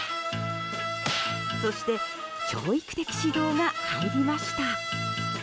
そして教育的指導が入りました。